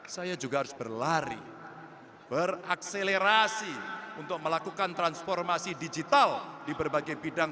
saya juga harus berlari berakselerasi untuk melakukan transformasi digital di berbagai bidang